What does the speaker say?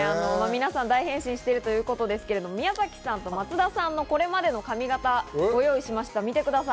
皆さん大変身しているということですけれども、宮崎さんと松田さんのこれまでの髪形をご用意